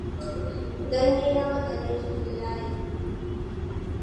Ganye ya makale jikin layin.